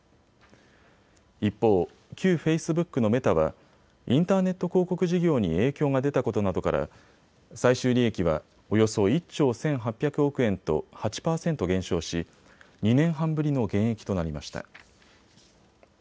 一方、旧フェイスブックのメタはインターネット広告事業に影響が出たことなどから最終利益はおよそ１兆１８００億円と８％減少し２年半ぶりの減益となりました。